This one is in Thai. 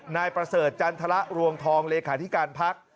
นายประเสริฐจันทรรวงทองเลขาธิการพัก